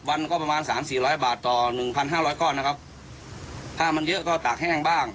วันก็ประมาณสามสี่ร้อยบาทต่อหนึ่งพันห้าร้อยก้อนนะครับถ้ามันเยอะก็ตากแห้งบ้าง